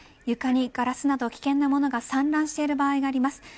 床にガラスなど危険な物が散乱している場合があります。